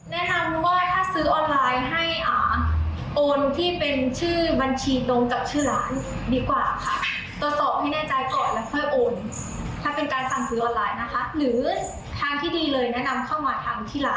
แนะนำว่าถ้าซื้อออนไลน์ให้อ่าโอนที่เป็นชื่อบัญชีลงจากชื่อร้านดีกว่าค่ะ